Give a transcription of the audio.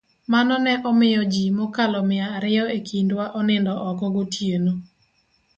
Mano ne omiyo ji mokalo mia riyo e kindwa onindo oko gotieno.